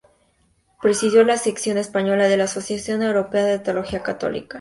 Presidió la sección española de la Asociación Europea de Teología Católica.